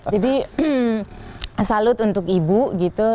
jadi salut untuk ibu gitu